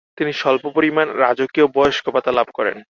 তিনি স্বল্প পরিমাণ রাজকীয় বয়স্ক ভাতা লাভ করেন।